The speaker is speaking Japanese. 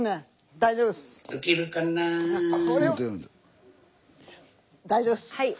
大丈夫っす。